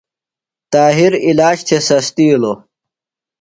طاہر علاج تھےۡ سستیلوۡ۔